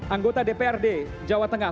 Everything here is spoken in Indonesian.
anggota dprd jawa tengah